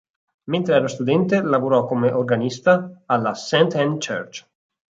Mentre era studente, lavorò come organista alla "Saint Anne Church".